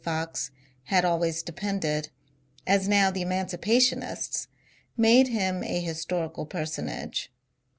Fox — had always depended, as now the emancipationists — made him a historical personage.